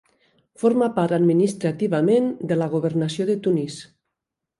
Forma part administrativament de la governació de Tunis.